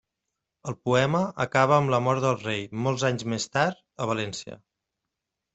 El poema acaba amb la mort del rei, molts anys més tard, a València.